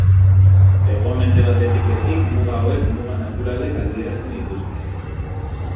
Hego-mendebaldetik ezik, muga hauek muga naturalek adierazten dituzte.